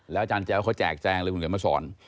แล้วอาจารย์แจ๊วเขาแจกแจ้งเลยวันเหลือมาสอน